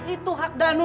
itu hak danu